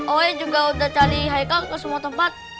oe juga udah cari heikal ke semua tempat